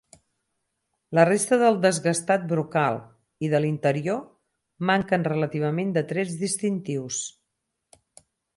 La resta del desgastat brocal i de l'interior manquen relativament de trets distintius.